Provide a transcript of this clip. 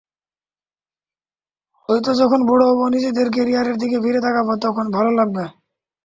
হয়তো যখন বুড়ো হব, নিজের ক্যারিয়ারের দিকে ফিরে তাকাব, তখন ভালো লাগবে।